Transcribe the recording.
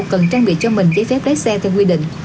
cần trang bị cho mình giấy phép lái xe theo quy định